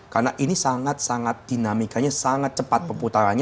karena ini sangat sangat dinamikanya sangat cepat pemutarannya